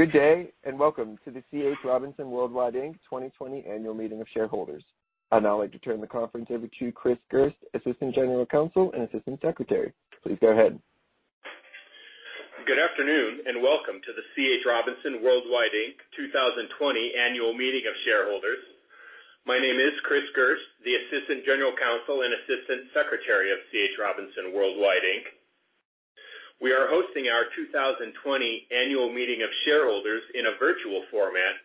Good day, welcome to the C. H. Robinson Worldwide Inc 2020 Annual Meeting of Shareholders. I'd now like to turn the conference over to Chris Gerst, Assistant General Counsel and Assistant Secretary. Please go ahead. Good afternoon, and welcome to the C.H. Robinson Worldwide Inc. 2020 Annual Meeting of Shareholders. My name is Chris Gerst, the Assistant General Counsel and Assistant Secretary of C.H. Robinson Worldwide Inc. We are hosting our 2020 annual meeting of shareholders in a virtual format,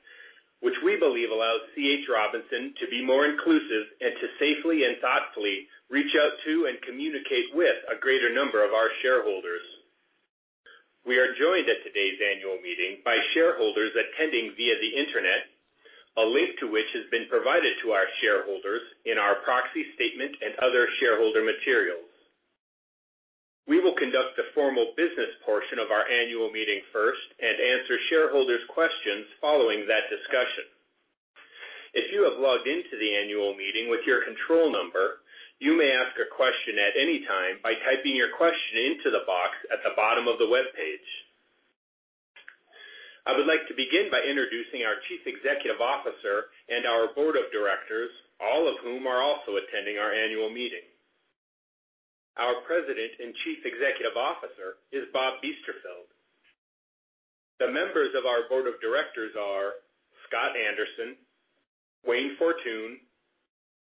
which we believe allows C.H. Robinson to be more inclusive and to safely and thoughtfully reach out to and communicate with a greater number of our shareholders. We are joined at today's annual meeting by shareholders attending via the internet, a link to which has been provided to our shareholders in our proxy statement and other shareholder materials. We will conduct the formal business portion of our annual meeting first and answer shareholders' questions following that discussion. If you have logged into the annual meeting with your control number, you may ask a question at any time by typing your question into the box at the bottom of the webpage. I would like to begin by introducing our Chief Executive Officer and our Board of Directors, all of whom are also attending our annual meeting. Our President and Chief Executive Officer is Bob Biesterfeld. The members of our Board of Directors are Scott Anderson, Wayne Fortun,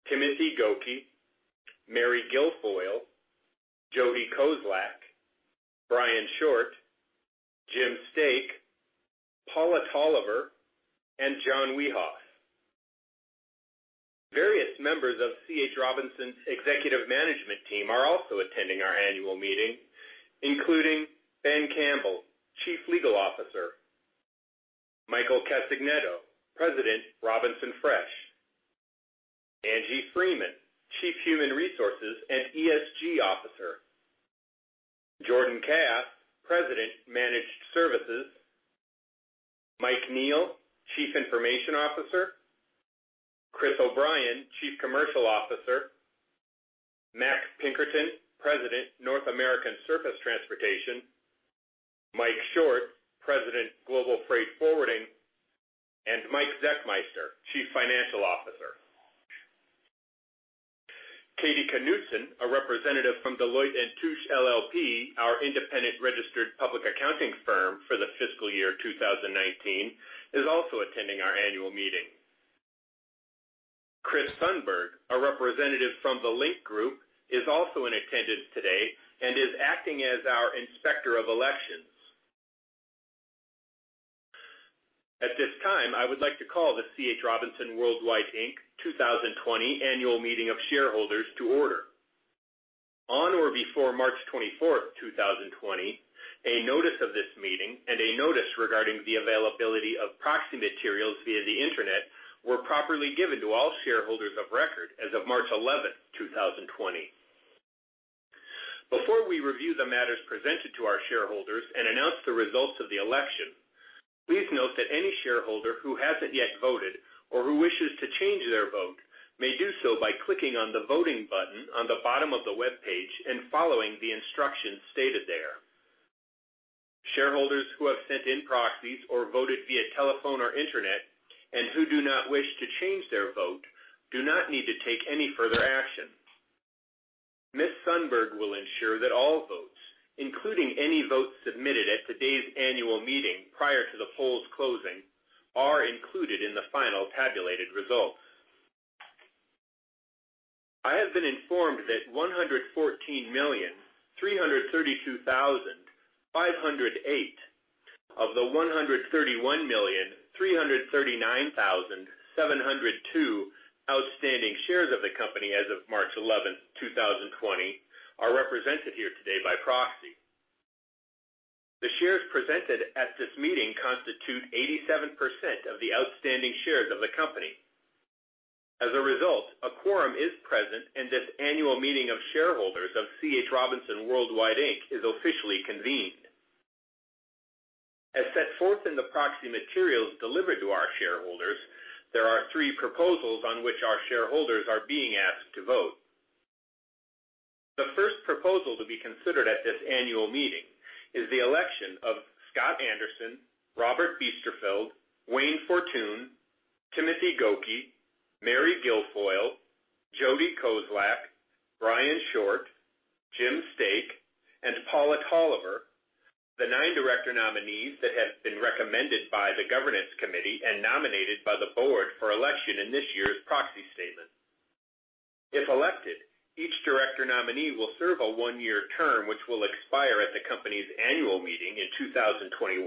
Timothy Gokey, Mary Guilfoile, Jodee Kozlak, Brian Short, Jim Stake, Paula Tolliver, and John Wiehoff. Various members of C.H. Robinson's executive management team are also attending our annual meeting, including Ben Campbell, Chief Legal Officer, Michael Castagnetto, President, Robinson Fresh, Angie Freeman, Chief Human Resources and ESG Officer, Jordan Kass, President, Managed Services, Mike Neill, Chief Information Officer, Chris O'Brien, Chief Commercial Officer, Mac Pinkerton, President, North American Surface Transportation, Mike Short, President, Global Freight Forwarding, and Mike Zechmeister, Chief Financial Officer. Katie Knudsen, a representative from Deloitte & Touche LLP, our independent registered public accounting firm for the fiscal year 2019, is also attending our annual meeting. Kris Sundberg, a representative from The Link Group, is also in attendance today and is acting as our Inspector of Elections. At this time, I would like to call the C. H. Robinson Worldwide Inc. 2020 Annual Meeting of Shareholders to order. On or before March 24th, 2020, a notice of this meeting and a notice regarding the availability of proxy materials via the internet were properly given to all shareholders of record as of March 11th, 2020. Before we review the matters presented to our shareholders and announce the results of the election, please note that any shareholder who hasn't yet voted or who wishes to change their vote may do so by clicking on the voting button on the bottom of the webpage and following the instructions stated there. Shareholders who have sent in proxies or voted via telephone or internet and who do not wish to change their vote do not need to take any further action. Ms. Sundberg will ensure that all votes, including any votes submitted at today's annual meeting prior to the polls closing, are included in the final tabulated results. I have been informed that 114,332,508 of the 131,339,702 outstanding shares of the company as of March 11th, 2020, are represented here today by proxy. The shares presented at this meeting constitute 87% of the outstanding shares of the company. As a result, a quorum is present, and this annual meeting of shareholders of C. H. Robinson Worldwide Inc. is officially convened. As set forth in the proxy materials delivered to our shareholders, there are three proposals on which our shareholders are being asked to vote. The first proposal to be considered at this annual meeting is the election of Scott Anderson, Bob Biesterfeld, Wayne Fortun, Timothy Gokey, Mary Guilfoile, Jodee Kozlak, Brian Short, Jim Stake, and Paula Tolliver, the nine director nominees that have been recommended by the Governance Committee and nominated by the board for election in this year's proxy statement. If elected, each director nominee will serve a one-year term, which will expire at the company's annual meeting in 2021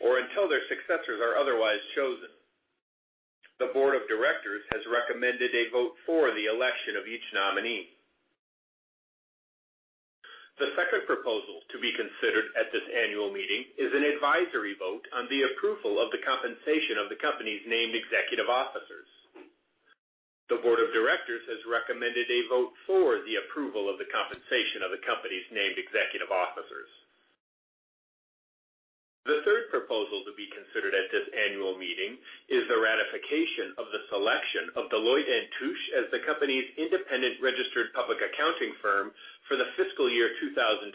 or until their successors are otherwise chosen. The Board of Directors has recommended a vote for the election of each nominee. The second proposal to be considered at this annual meeting is an advisory vote on the approval of the compensation of the company's named executive officers. The Board of Directors has recommended a vote for the approval of the compensation of the company's named executive officers. The third proposal to be considered at this annual meeting is the ratification of the selection of Deloitte & Touche as the company's independent registered public accounting firm for the fiscal year 2020.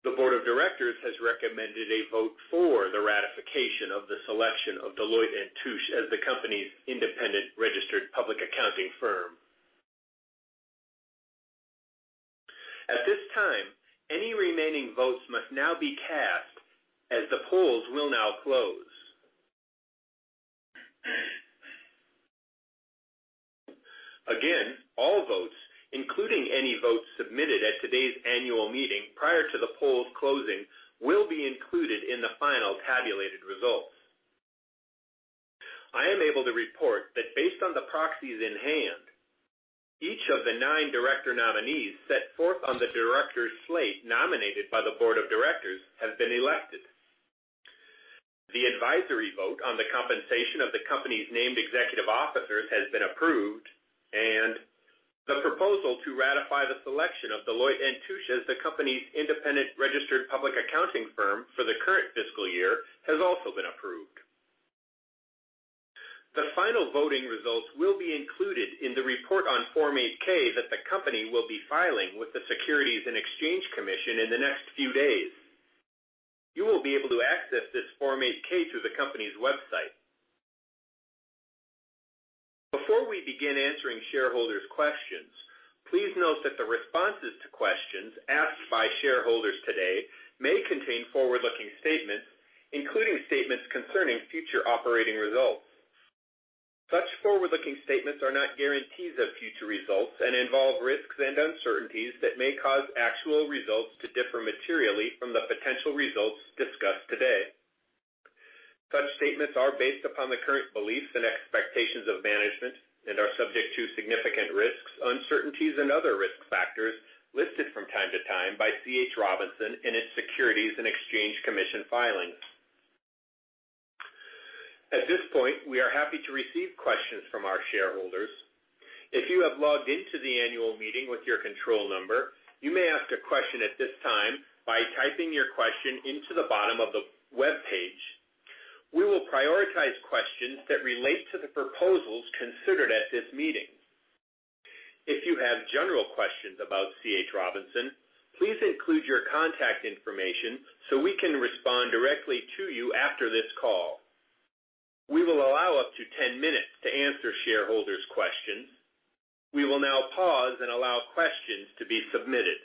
The Board of Directors has recommended a vote for the ratification of the selection of Deloitte & Touche as the company's independent registered public accounting firm. At this time, any remaining votes must now be cast as the polls will now close. Again, all votes, including any votes submitted at today's annual meeting prior to the polls closing, will be included in the final tabulated results. I am able to report that based on the proxies in hand, each of the nine director nominees set forth on the directors slate nominated by the board of directors have been elected. The advisory vote on the compensation of the company's named executive officers has been approved, and the proposal to ratify the selection of Deloitte & Touche as the company's independent registered public accounting firm for the current fiscal year has also been approved. The final voting results will be included in the report on Form 8-K that the company will be filing with the Securities and Exchange Commission in the next few days. You will be able to access this Form 8-K through the company's website. Before we begin answering shareholders' questions, please note that the responses to questions asked by shareholders today may contain forward-looking statements, including statements concerning future operating results. Such forward-looking statements are not guarantees of future results and involve risks and uncertainties that may cause actual results to differ materially from the potential results discussed today. Such statements are based upon the current beliefs and expectations of management and are subject to significant risks, uncertainties and other risk factors listed from time to time by C.H. Robinson in its Securities and Exchange Commission filings. At this point, we are happy to receive questions from our shareholders. If you have logged into the annual meeting with your control number, you may ask a question at this time by typing your question into the bottom of the webpage. We will prioritize questions that relate to the proposals considered at this meeting. If you have general questions about C.H. Robinson, please include your contact information so we can respond directly to you after this call. We will allow up to 10 minutes to answer shareholders' questions. We will now pause and allow questions to be submitted.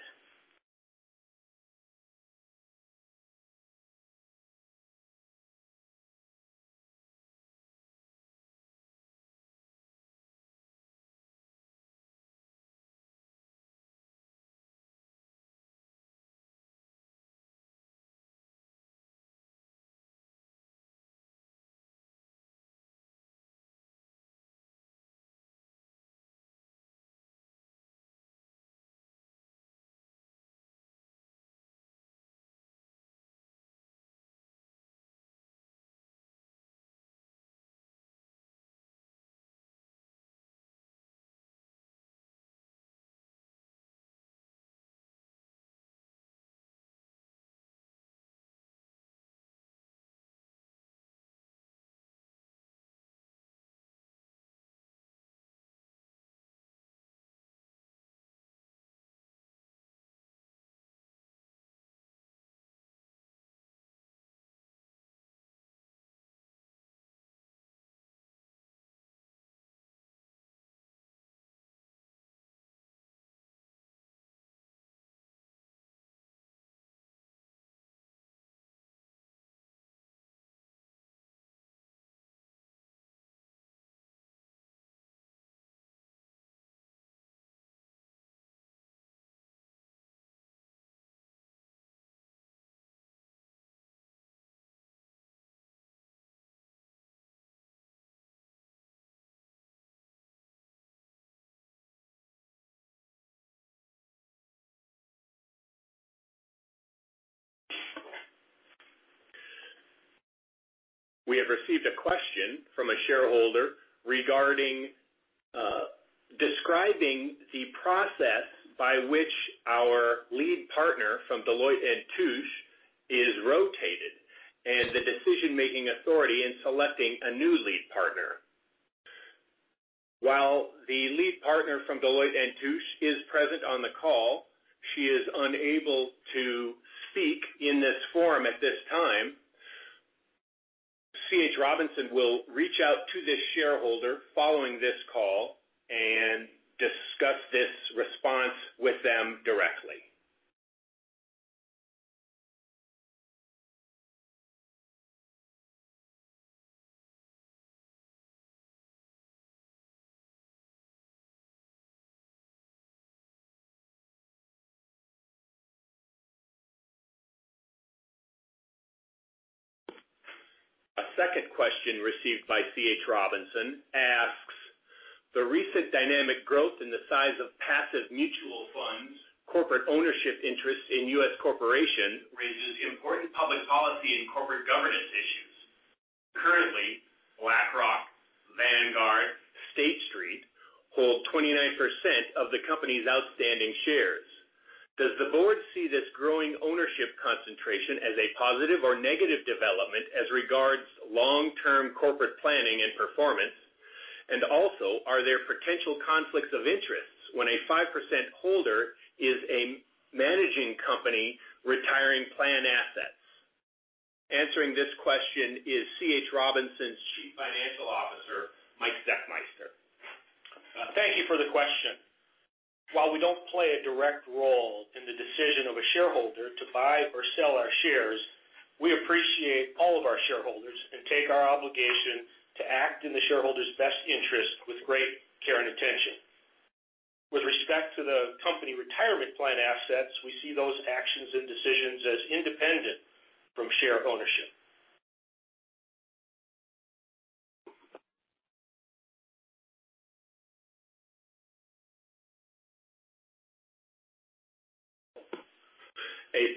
We have received a question from a shareholder regarding describing the process by which our lead partner from Deloitte & Touche is rotated and the decision-making authority in selecting a new lead partner. While the lead partner from Deloitte & Touche is present on the call, she is unable to speak in this forum at this time. C.H. Robinson will reach out to this shareholder following this call and discuss this response with them directly. A second question received by C.H. Robinson asks, the recent dynamic growth in the size of passive mutual funds, corporate ownership interest in U.S. corporation raises important public policy and corporate governance issues. Currently, BlackRock, Vanguard, State Street hold 29% of the company's outstanding shares. Does the board see this growing ownership concentration as a positive or negative development as regards long-term corporate planning and performance? Are there potential conflicts of interests when a 5% holder is a managing company retiring plan assets? Answering this question is C.H. Robinson's Chief Financial Officer, Mike Zechmeister. Thank you for the question. While we don't play a direct role in the decision of a shareholder to buy or sell our shares, we appreciate all of our shareholders and take our obligation to act in the shareholders' best interest with great care and attention. With respect to the company retirement plan assets, we see those actions and decisions as independent from share ownership.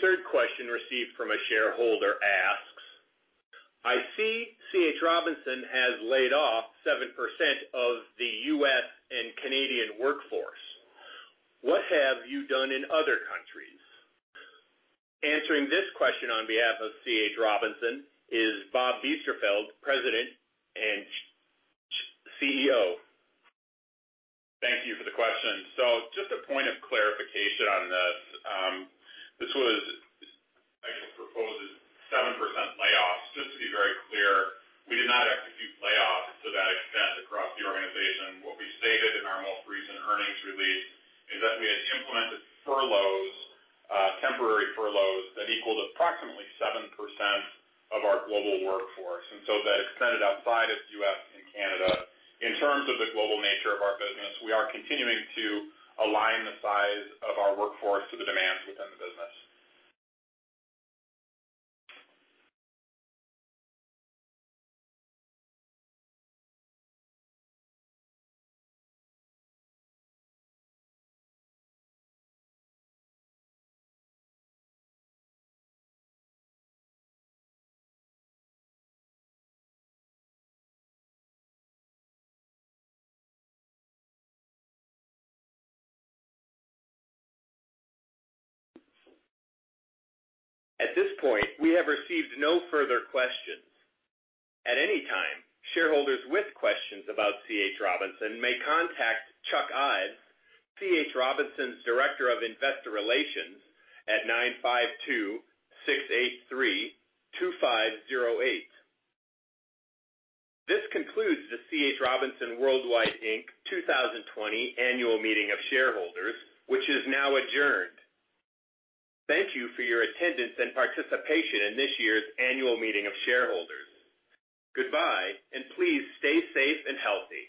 A third question received from a shareholder asks, "I see C.H. Robinson has laid off 7% of the U.S. and Canadian workforce. What have you done in other countries?" Answering this question on behalf of C.H. Robinson is Bob Biesterfeld, President and CEO. Thank you for the question. Just a point of clarification on this. This was, I think, proposed as 7% layoffs. Just to be very clear, we did not execute layoffs to that extent across the organization. What we stated in our most recent earnings release is that we had implemented furloughs, temporary furloughs that equaled approximately 7% of our global workforce. That extended outside of U.S. and Canada. In terms of the global nature of our business, we are continuing to align the size of our workforce to the demands within the business. At this point, we have received no further questions. At any time, shareholders with questions about C.H. Robinson may contact Chuck Ives, C.H. Robinson's Director of Investor Relations, at (952) 683-2508. This concludes the C.H. Robinson Worldwide Inc. 2020 Annual Meeting of Shareholders, which is now adjourned. Thank you for your attendance and participation in this year's Annual Meeting of Shareholders. Goodbye, and please stay safe and healthy.